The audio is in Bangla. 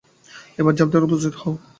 এবার ঝাপ দেওয়ার জন্য প্রস্তুত হও।